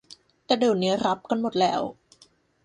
แต่เดี๋ยวนี้รับกันหมดแล้ว